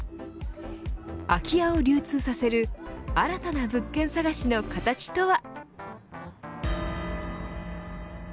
空き家を流通させる新たな物件探しの形とは。